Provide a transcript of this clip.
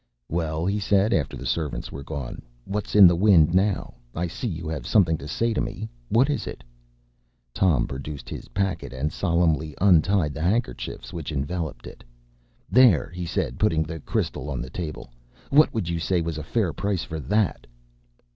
“Well,” he said, after the servants were gone, “what’s in the wind now? I see you have something to say to me. What is it?” Tom produced his packet, and solemnly untied the handkerchiefs which enveloped it. “There!” he said, putting his crystal on the table; “what would you say was a fair price for that?